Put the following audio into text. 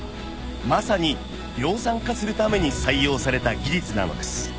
まさに量産化するために採用された技術なのです